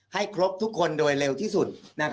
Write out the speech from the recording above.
ให้ครบทุกคนโดยเร็วที่สุด